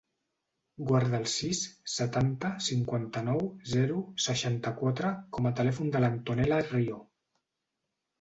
Guarda el sis, setanta, cinquanta-nou, zero, seixanta-quatre com a telèfon de l'Antonella Rio.